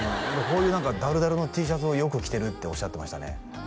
こういう何かダルダルのＴシャツをよく着てるっておっしゃってましたね